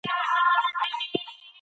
کلا ته د ننوتلو دروازه ډېره لویه ده.